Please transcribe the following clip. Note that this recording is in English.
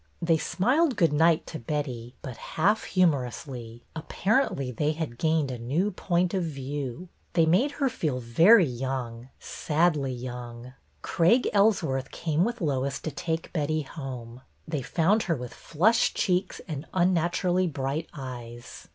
They smiled good night to Betty, but half humorously; apparently they had gained a new point of view. They made her feel very young, sadly young. Craig Ellsworth came with Lois to take Betty home. They found her with flushed cheeks and unnaturally bright eyes.